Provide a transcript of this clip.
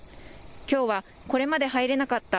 きょうはこれまで入れなかった